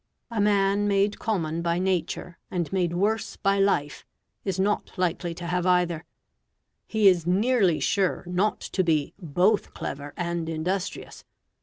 A man made common by nature, and made worse by life, is not likely to have either; he is nearly sure not to be BOTH clever and industrious.